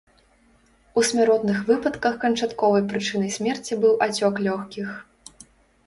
У смяротных выпадках канчатковай прычынай смерці быў ацёк лёгкіх.